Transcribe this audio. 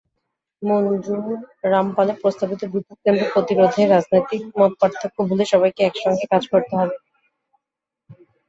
মঞ্জুররামপালে প্রস্তাবিত বিদ্যুৎকেন্দ্র প্রতিরোধে রাজনৈতিক মতপার্থক্য ভুলে সবাইকে একসঙ্গে কাজ করতে হবে।